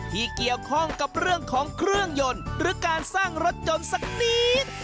ที่เกี่ยวข้องกับเรื่องของเครื่องยนต์หรือการสร้างรถยนต์สักนิด